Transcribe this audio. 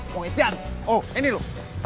pengertian oh ini lo